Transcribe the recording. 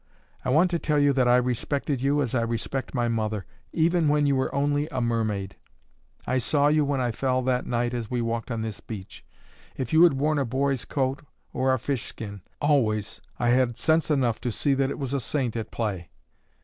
I want to tell you that I respected you as I respect my mother, even when you were only a mermaid. I saw you when I fell that night as we walked on this beach. If you had worn a boy's coat, or a fishskin, always, I had sense enough to see that it was a saint at play.